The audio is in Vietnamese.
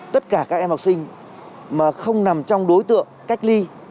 tất cả các em học sinh mà không nằm trong đối tượng cách ly